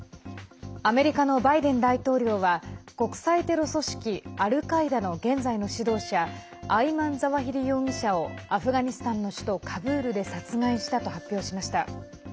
アメリカのバイデン大統領は国際テロ組織アルカイダの現在の指導者アイマン・ザワヒリ容疑者をアフガニスタンの首都カブールで殺害したと発表しました。